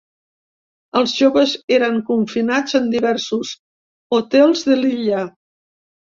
Els joves eren confinats en diversos hotels de l’illa.